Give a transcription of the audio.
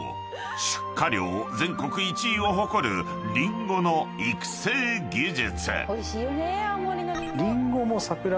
出荷量全国１位を誇るリンゴの育成技術］